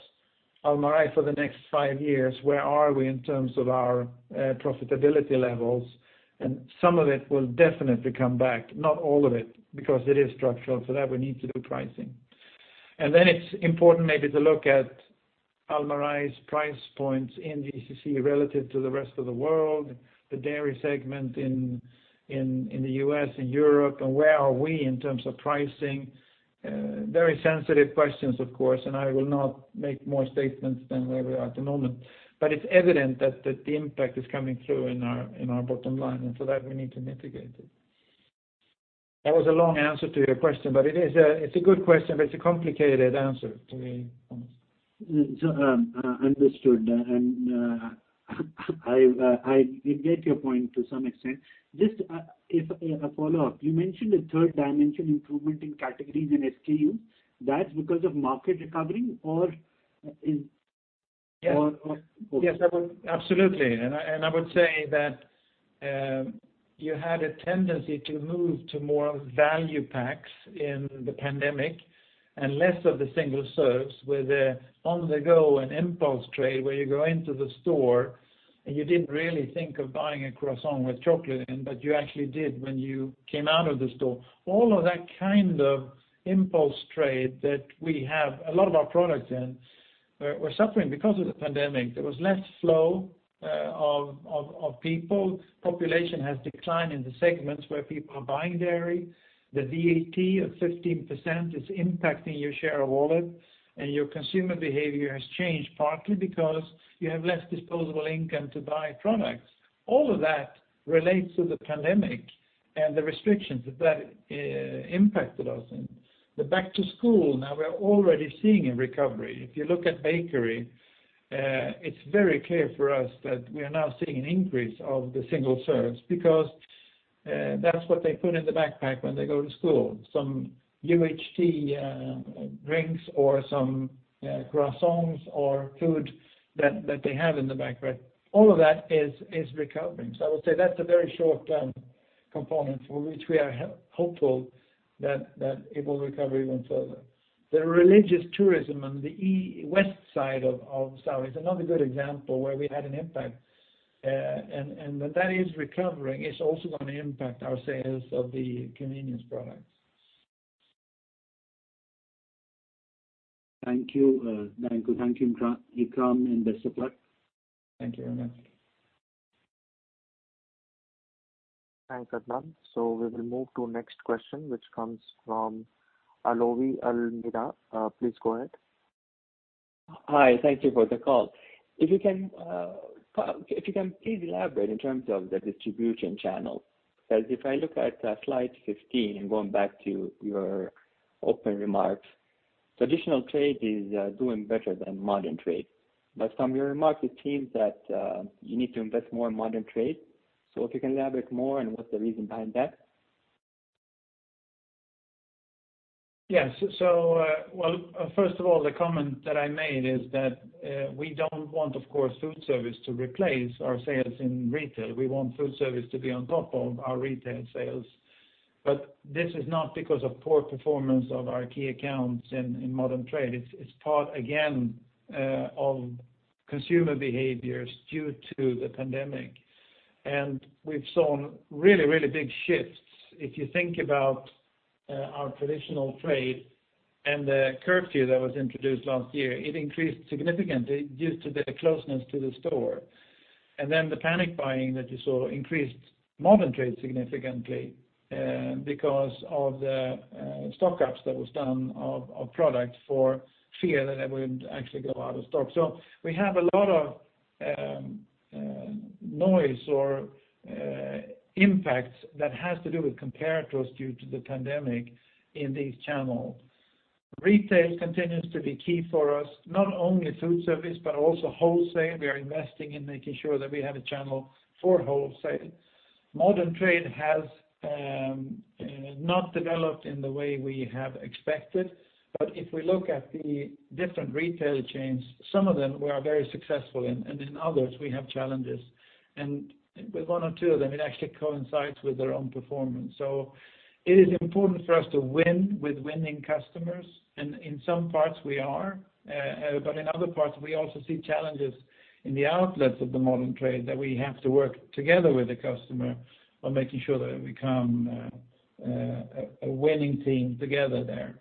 Almarai for the next five years, where are we in terms of our profitability levels? Some of it will definitely come back, not all of it, because it is structural. For that, we need to do pricing. It's important maybe to look at Almarai's price points in GCC relative to the rest of the world, the dairy segment in the U.S. and Europe, and where are we in terms of pricing? Very sensitive questions, of course, and I will not make more statements than where we are at the moment. It's evident that the impact is coming through in our bottom line, and for that, we need to mitigate it. That was a long answer to your question, but it is a good question, but it's a complicated answer to me. Understood. I get your point to some extent. Just a follow-up. You mentioned a third dimension improvement in categories and SKUs. That's because of market recovery or is- Yes. Both. Yes, absolutely. I would say that you had a tendency to move to more value packs in the pandemic and less of the single serves where the on-the-go and impulse trade, where you go into the store and you didn't really think of buying a croissant with chocolate, but you actually did when you came out of the store. All of that kind of impulse trade that we have a lot of our products in were suffering because of the pandemic. There was less flow of people. Population has declined in the segments where people are buying dairy. The VAT of 15% is impacting your share of wallet, and your consumer behavior has changed partly because you have less disposable income to buy products. All of that relates to the pandemic and the restrictions that impacted us. The back to school, now we're already seeing a recovery. If you look at bakery, it's very clear for us that we are now seeing an increase of the single serves because that's what they put in the backpack when they go to school. Some UHT drinks or some croissants or food that they have in the backpack. All of that is recovering. I would say that's a very short-term component for which we are hopeful that it will recover even further. The religious tourism on the west side of Saudi is another good example where we had an impact. That is recovering, it's also going to impact our sales of the convenience products. Thank you, Ikram and Danko. Thank you very much. Thanks, Adnan. We will move to next question, which comes from Alawi Almirah. Please go ahead. Hi, thank you for the call. If you can please elaborate in terms of the distribution channels, because if I look at slide 15 and going back to your open remarks, traditional trade is doing better than modern trade. From your remarks, it seems that you need to invest more in modern trade. If you can elaborate more and what's the reason behind that? Yes. Well, first of all, the comment that I made is that we don't want, of course, food service to replace our sales in retail. We want food service to be on top of our retail sales. This is not because of poor performance of our key accounts in modern trade. It's part, again, of consumer behaviors due to the pandemic. We've seen really big shifts. If you think about our traditional trade and the curfew that was introduced last year, it increased significantly due to the closeness to the store. The panic buying that you saw increased modern trade significantly because of the stock-ups that was done of product for fear that it would actually go out of stock. We have a lot of noise or impacts that has to do with comparators due to the pandemic in these channels. Retail continues to be key for us, not only food service, but also wholesale. We are investing in making sure that we have a channel for wholesale. Modern trade has not developed in the way we have expected, but if we look at the different retail chains, some of them we are very successful in, and in others, we have challenges. With one or two of them, it actually coincides with their own performance. It is important for us to win with winning customers, and in some parts we are, but in other parts, we also see challenges in the outlets of the modern trade that we have to work together with the customer on making sure that we become a winning team together there.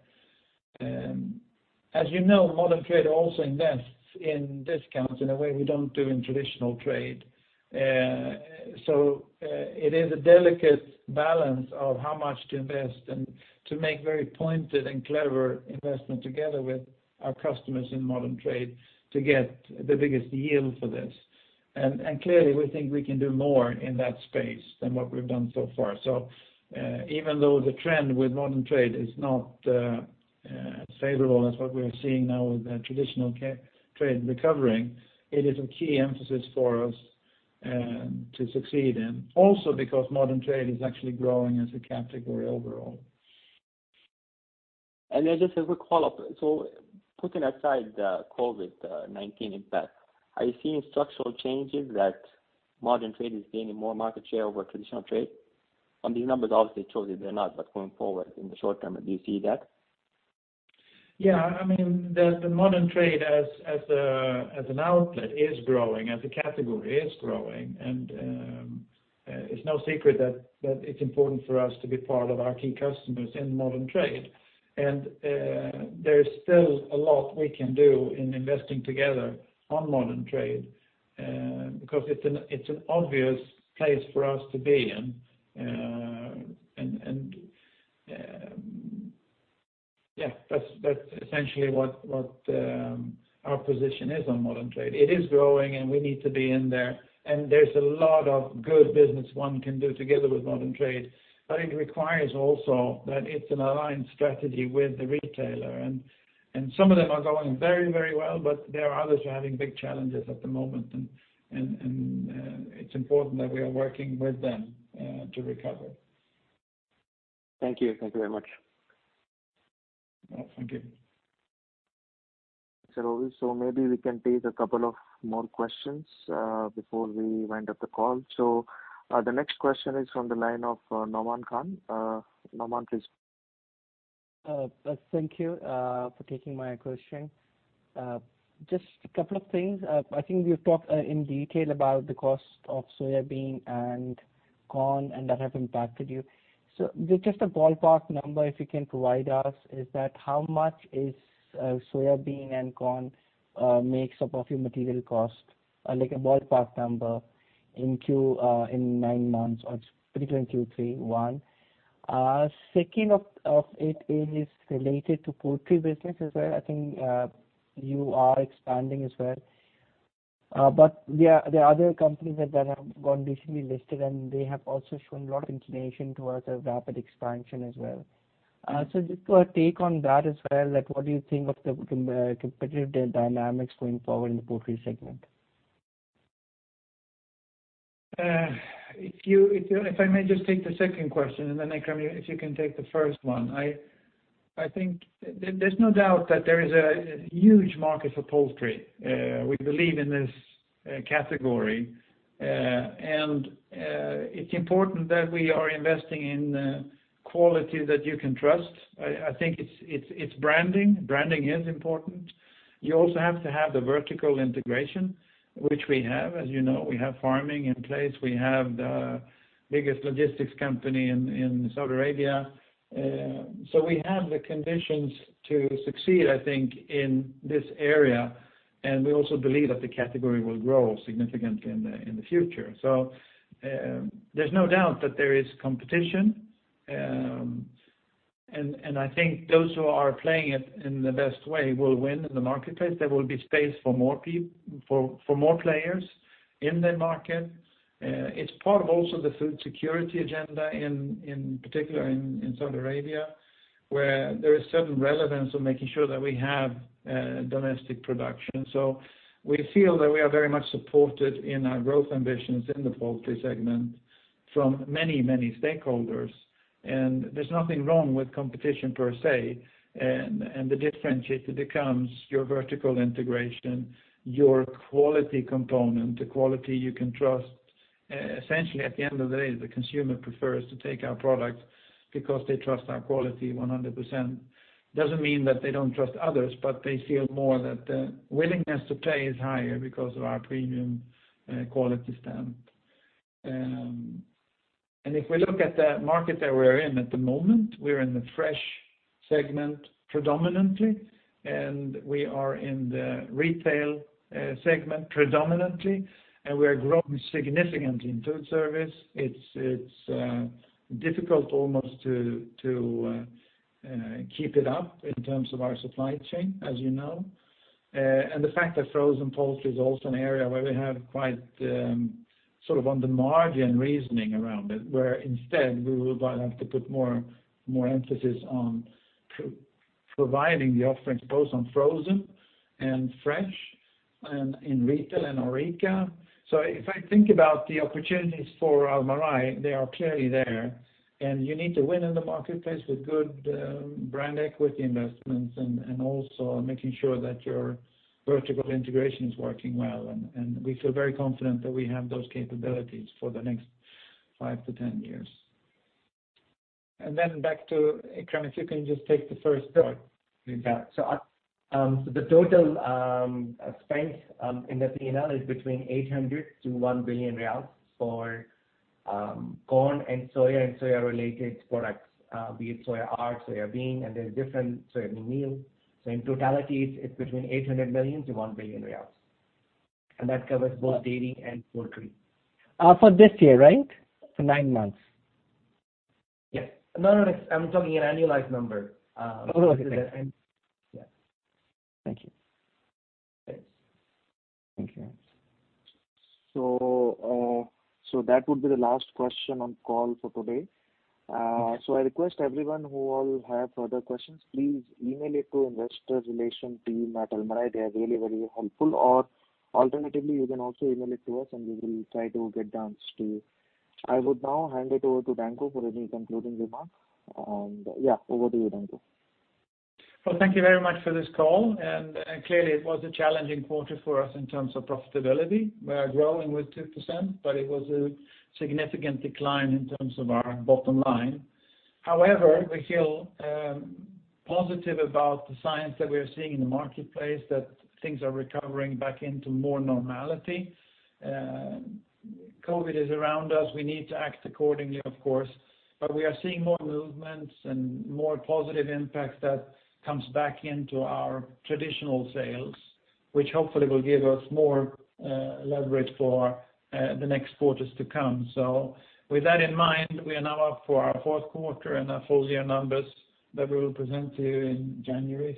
As you know, modern trade also invests in discounts in a way we don't do in traditional trade. It is a delicate balance of how much to invest and to make very pointed and clever investment together with our customers in modern trade to get the biggest yield for this. Clearly, we think we can do more in that space than what we've done so far. Even though the trend with modern trade is not favorable as what we are seeing now with the traditional trade recovering, it is a key emphasis for us to succeed in. Also because modern trade is actually growing as a category overall. Just a quick follow-up. Putting aside the COVID-19 impact, are you seeing structural changes that modern trade is gaining more market share over traditional trade? On these numbers, obviously it shows that they're not, but going forward in the short term, do you see that? Yeah, the modern trade as an outlet is growing, as a category is growing. It's no secret that it's important for us to be part of our key customers in modern trade. There is still a lot we can do in investing together on modern trade, because it's an obvious place for us to be in. Yeah, that's essentially what our position is on modern trade. It is growing, and we need to be in there, and there's a lot of good business one can do together with modern trade, but it requires also that it's an aligned strategy with the retailer. Some of them are going very well, but there are others who are having big challenges at the moment, and it's important that we are working with them to recover. Thank you. Thank you very much. Thank you. Thanks a lot. Maybe we can take a couple of more questions before we wind up the call. The next question is from the line of Nauman Khan. Nauman, please. Thank you for taking my question. Just a couple of things. I think you've talked in detail about the cost of soybean and corn, and that have impacted you. Just a ballpark number, if you can provide us, is that how much is soybean and corn makes up of your material cost? Like a ballpark number in nine months or between Q3 2021. Second of it is related to poultry business as well. I think you are expanding as well. There are other companies that have gone additionally listed, and they have also shown a lot of inclination towards a rapid expansion as well. Just your take on that as well, what do you think of the competitive dynamics going forward in the poultry segment? If I may just take the second question, and then Ikram, if you can take the first one. I think there's no doubt that there is a huge market for poultry. We believe in this category, and it's important that we are investing in quality that you can trust. I think it's branding. Branding is important. You also have to have the vertical integration, which we have. As you know, we have farming in place. We have the biggest logistics company in Saudi Arabia. We have the conditions to succeed, I think, in this area, and we also believe that the category will grow significantly in the future. There's no doubt that there is competition, and I think those who are playing it in the best way will win in the marketplace. There will be space for more players in that market. It's part of also the food security agenda in particular in Saudi Arabia, where there is certain relevance of making sure that we have domestic production. We feel that we are very much supported in our growth ambitions in the poultry segment from many stakeholders. There's nothing wrong with competition per se, and the differentiator becomes your vertical integration, your quality component, the quality you can trust. Essentially at the end of the day, the consumer prefers to take our product because they trust our quality 100%. Doesn't mean that they don't trust others, but they feel more that the willingness to pay is higher because of our premium quality stamp. If we look at the market that we're in at the moment, we're in the fresh segment predominantly, and we are in the retail segment predominantly, and we are growing significantly in food service. It's difficult almost to keep it up in terms of our supply chain, as you know. The fact that frozen poultry is also an area where we have quite sort of on the margin reasoning around it, where instead we will have to put more emphasis on providing the offerings both on frozen and fresh and in retail and HORECA. If I think about the opportunities for Almarai, they are clearly there, and you need to win in the marketplace with good brand equity investments and also making sure that your vertical integration is working well. We feel very confident that we have those capabilities for the next 5-10 years. Back to Ikram, if you can just take the first part with that. The total spend in the P&L is between 800 million to 1 billion riyals for corn and soya and soya-related products, be it soya oil, soya bean, and there's different soya meal. In totality, it's between 800 million to SAR 1 billion, and that covers both dairy and poultry. For this year, right? For nine months. Yes. No, I'm talking an annualized number. Oh, okay. Thank you. Yes. Thank you. Thanks. Thank you. That would be the last question on call for today. I request everyone who all have further questions, please email it to investor relation team at Almarai. They are really very helpful. Alternatively, you can also email it to us, and we will try to get answers to you. I would now hand it over to Danko for any concluding remarks. Yeah, over to you, Danko. Well, thank you very much for this call, and clearly it was a challenging quarter for us in terms of profitability. We are growing with 2%, but it was a significant decline in terms of our bottom line. However, we feel positive about the signs that we are seeing in the marketplace, that things are recovering back into more normality. COVID is around us. We need to act accordingly, of course. But we are seeing more movements and more positive impact that comes back into our traditional sales, which hopefully will give us more leverage for the next quarters to come. With that in mind, we are now up for our fourth quarter and our full-year numbers that we will present to you in January.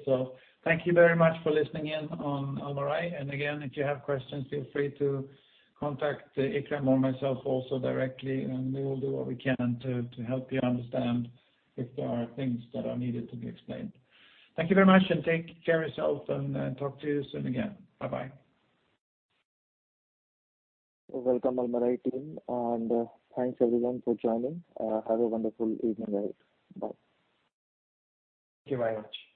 Thank you very much for listening in on Almarai. Again, if you have questions, feel free to contact Ikram or myself also directly, and we will do what we can to help you understand if there are things that are needed to be explained. Thank you very much, and take care of yourself, and talk to you soon again. Bye-bye. Welcome, Almarai team. Thanks, everyone, for joining. Have a wonderful evening ahead. Bye. Thank you very much.